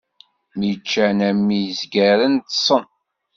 Mi ččan am yizgaren, ṭṭsen.